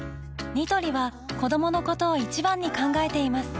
ニトリは子どものことを一番に考えています